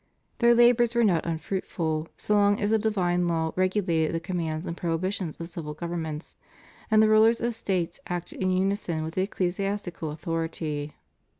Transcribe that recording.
Their labors were not unfruitful, so long as the divine law regulated the commands and prohibitions of civil government, and the rulers of States acted in unison with, the ecclesiastical authority.